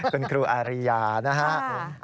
คุณครูอาริยานะครับ